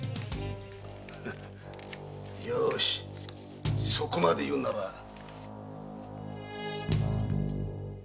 〔ようしそこまで言うんなら〕